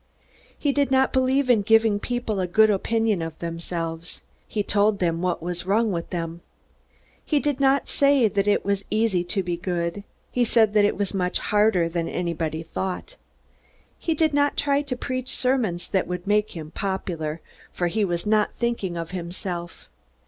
He did not believe in giving people a good opinion of themselves. He told them what was wrong with them. He did not say that it was easy to be good. He said that it was much harder than anybody thought. He did not try to preach sermons that would make him popular, for he was not thinking of himself.